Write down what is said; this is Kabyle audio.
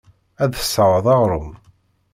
Ad d-tesɣeḍ aɣrum.